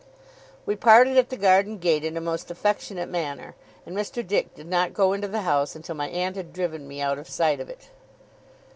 We parted at the garden gate in a most affectionate manner, and Mr. Dick did not go into the house until my aunt had driven me out of sight of it.